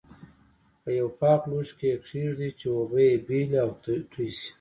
په یوه پاک لوښي کې یې کېږدئ چې اوبه یې بېلې او توی شي.